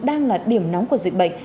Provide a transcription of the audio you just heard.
đang là điểm nóng của dịch bệnh